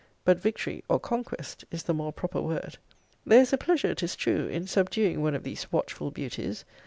But victory, or conquest, is the more proper word. There is a pleasure, 'tis true, in subduing one of these watchful beauties.